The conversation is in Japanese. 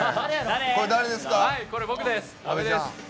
これ、僕です。